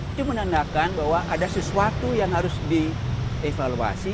itu menandakan bahwa ada sesuatu yang harus dievaluasi